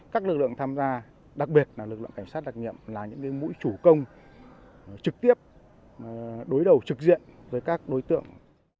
các lực lượng tham gia đặc biệt là lực lượng cảnh sát đặc nghiệm là những mũi chủ công trực tiếp đối đầu trực diện với các đối tượng